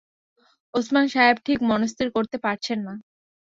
ওসমান সাহেব ঠিক মনস্থির করতে পারছেন না।